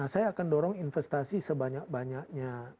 saya akan dorong investasi sebanyak banyaknya